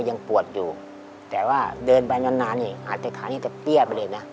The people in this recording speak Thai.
ในปัจจุบันนี้ในปัจจุบันนี้ยังชาอยู่ยังปวดอยู่